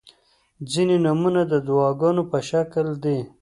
• ځینې نومونه د دعاګانو په شکل دي.